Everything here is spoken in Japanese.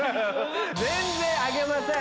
全然あげません。